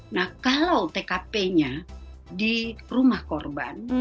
nah kalau tkp nya di rumah korban